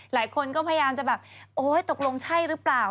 หลายคนก็พยายามจะแบบโอ๊ยตกลงใช่หรือเปล่า